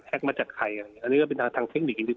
มาจากใครอันนี้ก็เป็นทางเทคนิคจริง